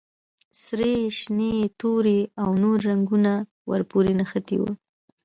سرې، شنې، تورې او نورې رنګونه ور پورې نښتي وو.